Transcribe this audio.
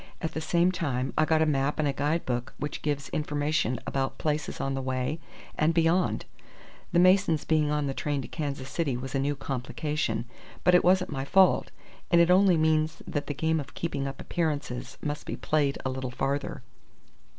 At the same time I got a map and a guide book which gives information about places on the way and beyond. "The Masons being on the train to Kansas City was a new complication. But it wasn't my fault. And it only means that the game of keeping up appearances must be played a little farther.